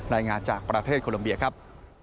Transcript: รายงานจากประเทศโคลัมเบียครับ